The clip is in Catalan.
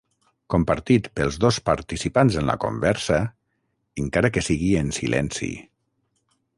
Compartit pels dos participants en la conversa, encara que sigui en silenci.